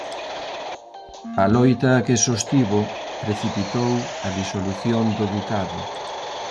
A loita que sostivo precipitou a disolución do ducado.